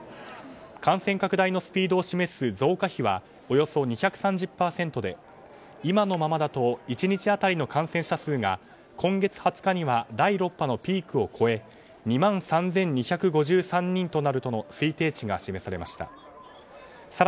感染拡大のスピードを示す増加比はおよそ２３０％で、今のままだと１日当たりの感染者数が今月２０日には第６波のピークを越え２万３２５３人に増えるとの推定値が示されました。